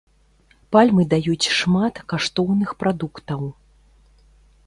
Пальмы даюць шмат каштоўных прадуктаў.